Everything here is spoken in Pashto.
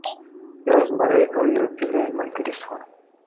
یو زمری او یو فیلی ملګري شول.